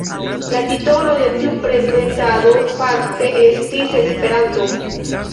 La titolo de tiu prezentado fakte estis ”Esperanto”.